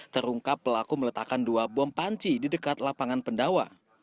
terungkap pelaku meletakkan dua bom panci di dekat lapangan pendawa